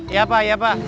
iya pak iya pak